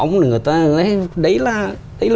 người ta đấy là